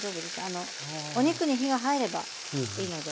あのお肉に火が入ればいいので。